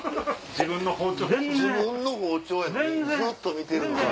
自分の包丁やのにずっと見てる。